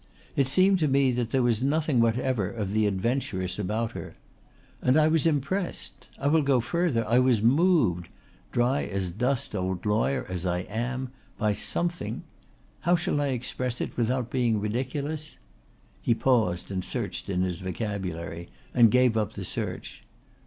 It seemed to me that there was nothing whatever of the adventuress about her. And I was impressed I will go further, I was moved dry as dust old lawyer as I am, by something How shall I express it without being ridiculous?" He paused and searched in his vocabulary and gave up the search.